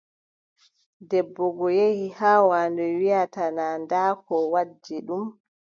Debbo goo yehi haa waandu, wiʼata naa ndaa ko waddi ɗum.